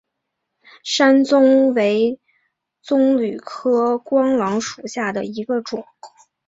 山棕为棕榈科桄榔属下的一个种。